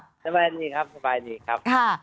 สบายดีครับสบายดีครับ